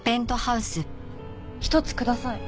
１つください。